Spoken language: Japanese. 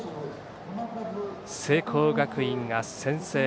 聖光学院が先制。